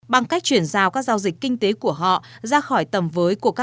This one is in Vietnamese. bằng cách chuyển giao các giao dịch kinh tế của họ ra khỏi tầm với của các quốc gia